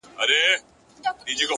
هر منزل له یوې پرېکړې پیلېږي.!